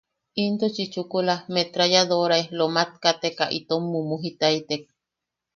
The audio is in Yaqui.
Intuchi chukula metrayadorae lomat kateka itom mumujitaitek.